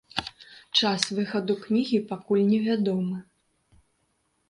Час выхаду кнігі пакуль невядомы.